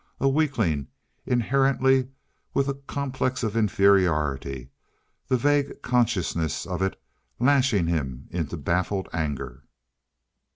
A weakling. Inherently, with a complex of inferiority, the vague consciousness of it lashing him into baffled anger.